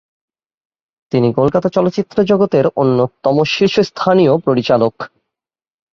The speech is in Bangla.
তিনি কলকাতা চলচ্চিত্র জগতের অন্যতম শীর্ষস্থানীয় পরিচালক।